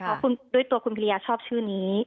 เพราะด้วยตัวคุณภรรยาชอบชื่อนี้